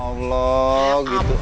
allah gitu aja